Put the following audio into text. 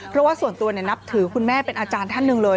เพราะว่าส่วนตัวนับถือคุณแม่เป็นอาจารย์ท่านหนึ่งเลย